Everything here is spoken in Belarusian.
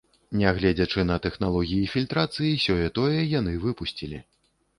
Нягледзячы на тэхналогіі фільтрацыі, сёе-тое яны выпусцілі.